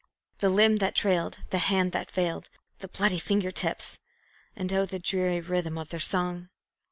The limb that trailed, the hand that failed, the bloody finger tips! And oh, the dreary rhythm of their song!